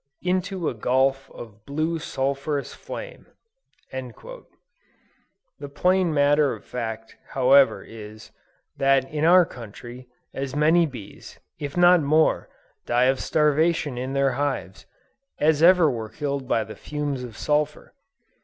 Into a gulf of blue sulphureous flame." The plain matter of fact however, is, that in our country, as many bees, if not more, die of starvation in their hives, as ever were killed by the fumes of sulphur.